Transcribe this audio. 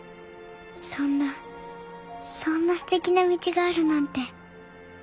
そんなそんなすてきな道があるなんて。